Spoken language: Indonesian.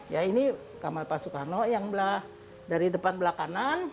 ya ini kamar pak soekarno yang belah dari depan belah kanan